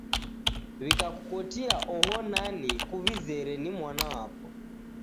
W'ikakukotia oho nani, kuw'izere ni mwanapo.